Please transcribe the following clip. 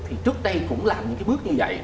thì trước đây cũng làm những cái bước như vậy